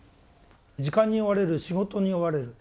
時間に追われる仕事に追われる。